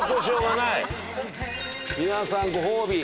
皆さんご褒美！